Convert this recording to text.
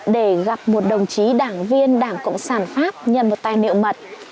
để gặp một đồng chí đảng viên đảng cộng sản pháp nhận một tài niệm mật